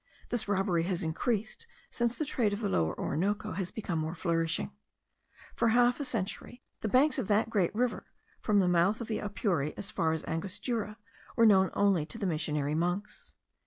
This robbery has increased since the trade of the Lower Orinoco has become more flourishing. For half a century, the banks of that great river, from the mouth of the Apure as far as Angostura, were known only to the missionary monks.